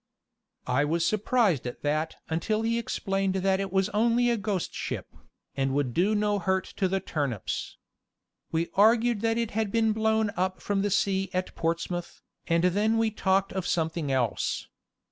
I was surprised at that until he explained that it was only a ghost ship, and would do no hurt to the turnips. We argued that it had been blown up from the sea at Portsmouth, and then we talked of something else.